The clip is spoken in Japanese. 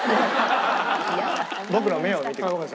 僕の目を見てください。